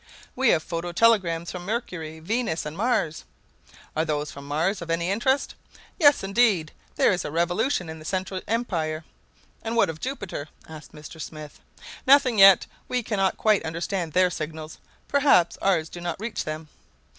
"We have phototelegrams from Mercury, Venus, and Mars." "Are those from Mars of any interest?" "Yes, indeed. There is a revolution in the Central Empire." "And what of Jupiter?" asked Mr. Smith. "Nothing as yet. We cannot quite understand their signals. Perhaps ours do not reach them."